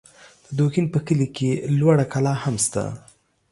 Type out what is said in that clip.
د دوکین په کلي کې لوړه کلا هم سته